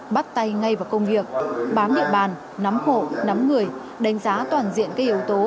bắt tay ngay vào công việc bám địa bàn nắm hộ nắm người đánh giá toàn diện các yếu tố